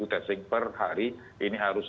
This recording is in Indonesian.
testing per hari ini harus